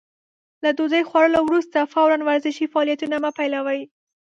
له ډوډۍ خوړلو وروسته فورً ورزشي فعالیتونه مه پيلوئ.